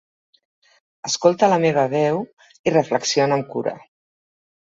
Escolta la meva veu i reflexiona amb cura.